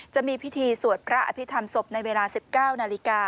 จะมีพิธีสวดพระอภิษฐรรมศพในเวลา๑๙นาฬิกา